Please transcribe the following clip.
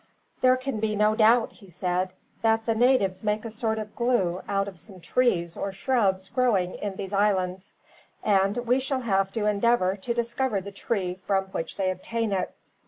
"There can be no doubt," he said, "that the natives make a sort of glue out of some trees or shrubs growing in these islands, and we shall have to endeavor to discover the tree from which they obtain it.